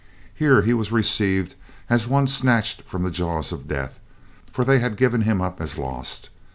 Here he was received as one snatched from the jaws of death, for they had given him up as lost.